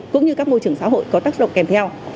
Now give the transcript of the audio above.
cũng như các môi trường xã hội có tác động kèm theo